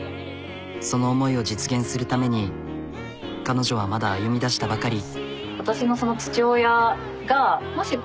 その思いを実現するために彼女はまだ歩みだしたばかり。